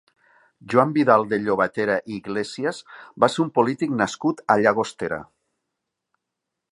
Joan Vidal de Llobatera i Iglesias va ser un polític nascut a Llagostera.